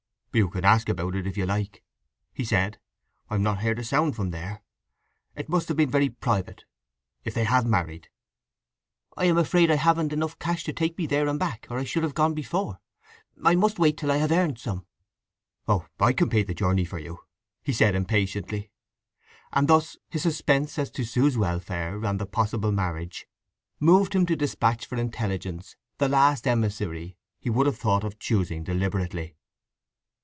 "You can ask about it if you like," he said. "I've not heard a sound from there. It must have been very private, if—they have married." "I am afraid I haven't enough cash to take me there and back, or I should have gone before. I must wait till I have earned some." "Oh—I can pay the journey for you," he said impatiently. And thus his suspense as to Sue's welfare, and the possible marriage, moved him to dispatch for intelligence the last emissary he would have thought of choosing deliberately.